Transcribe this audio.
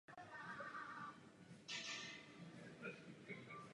Zaměřil se především na fotografie z oblasti Vysočiny.